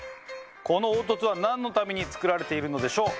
この凹凸はなんのために作られているのでしょう？